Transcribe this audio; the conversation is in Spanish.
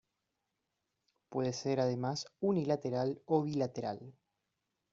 Puede ser además unilateral o bilateral.